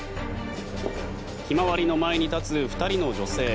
「ひまわり」の前に立つ２人の女性。